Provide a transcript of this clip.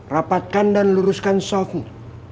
rapatkan dan luruskan shafi